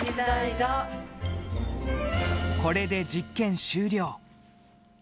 これで実験終了。